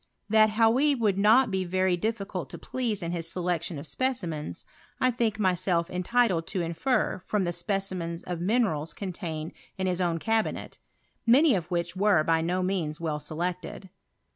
That ;Hany would not be very difficult to please in his •election of specimens, 1 think myself entitled to iofer from the specimens of minerals contained in Ilia own cabinet, many of which were by no means ■•ell selected.